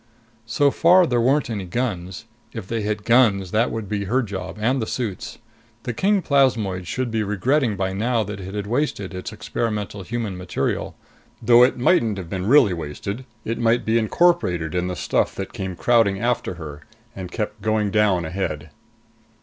So far there weren't any guns. If they hit guns, that would be her job and the suit's. The king plasmoid should be regretting by now that it had wasted its experimental human material. Though it mightn't have been really wasted; it might be incorporated in the stuff that came crowding after her, and kept going down ahead.